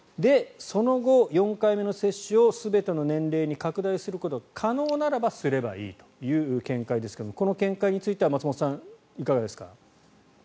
その後、４回目の接種を全ての年齢に拡大することが可能ならばすればいいという見解ですがこの見解については松本さん、いかがですか。